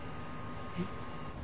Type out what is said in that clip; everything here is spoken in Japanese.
えっ？